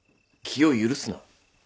気を許すな。